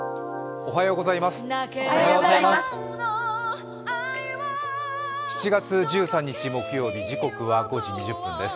おはようございます。